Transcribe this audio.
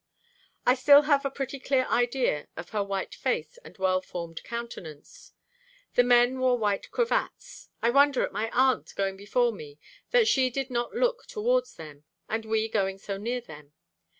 I still have a pretty clear idea of her white face and well formed countenance. The men wore white cravats.... I wondered at my aunt, going before me, that she did not look towards them, and we going so near them.